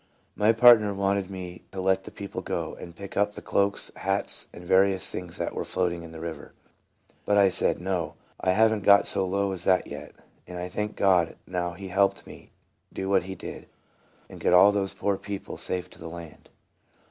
My partner wanted me to let the peo ple go, and pick up the cloaks, hats, and various things that were floating in the river; but I said, " No ; I have n't got so low as that yet." And I thank God now he helped me do what he did, and get all those poor people safe to the land.